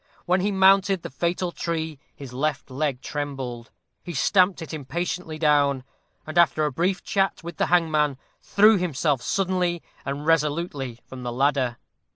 When he mounted the fatal tree his left leg trembled; he stamped it impatiently down, and, after a brief chat with the hangman, threw himself suddenly and resolutely from the ladder.